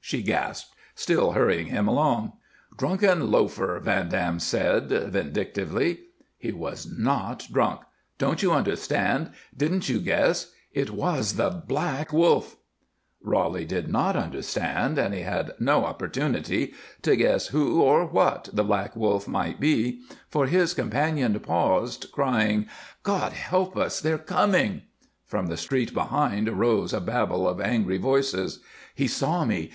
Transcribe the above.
she gasped, still hurrying him along. "Drunken loafer!" Van Dam said, vindictively. "He was not drunk! Don't you understand? Didn't you guess? It was the Black Wolf!" Roly did not understand, and he had no opportunity to guess who or what the Black Wolf might be, for his companion paused, crying: "God help us! They are coming." From the street behind rose a babble of angry voices. "He saw me!